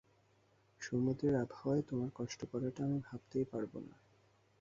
সমুদ্রের আবহাওয়ায় তোমার কষ্ট করাটা আমি ভাবতেই পারবো না।